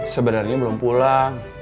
sebenarnya belum pulang